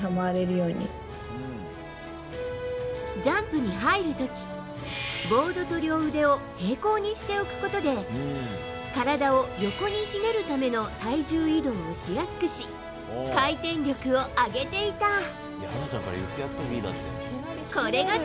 ジャンプに入る時、ボードと両腕を平行にしておくことで体を横にひねるための体重移動をしやすくし回転力を上げていた。